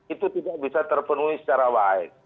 itu tidak bisa terpenuhi secara baik